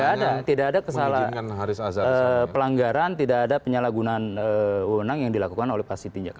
tidak ada tidak ada kesalahan pelanggaran tidak ada penyalahgunaan wewenang yang dilakukan oleh pak siti njak